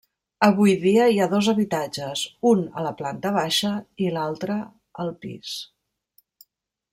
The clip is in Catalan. Avui dia hi ha dos habitatges: un a la planta baixa i l'altra al pis.